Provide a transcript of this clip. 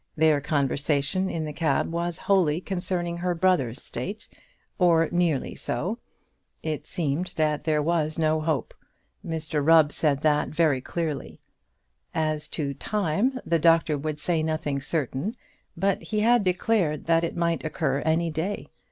Their conversation in the cab was wholly concerning her brother's state, or nearly so. It seemed that there was no hope. Mr Rubb said that very clearly. As to time the doctor would say nothing certain; but he had declared that it might occur any day.